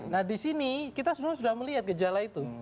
nah disini kita sebenarnya sudah melihat gejala itu